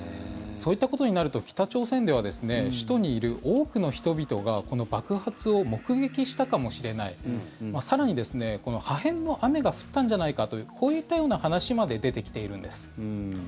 そういったことになると北朝鮮では首都にいる多くの人々がこの爆発を目撃したかもしれない更に、この破片の雨が降ったんじゃないかとこういったような話まで出てきているんです。